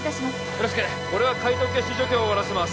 よろしく俺は開頭血腫除去を終わらせます